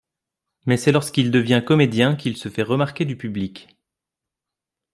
Mais c'est lorsqu'il devient comédien qu'il se fait remarquer du public.